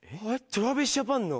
ＴｒａｖｉｓＪａｐａｎの。